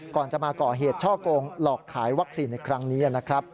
ก่อนจะมาก่อเหตุช่อกงหลอกขายวัคซีนในครั้งนี้นะครับ